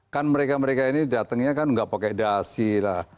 kan mereka mereka ini datangnya kan nggak pakai dasi lah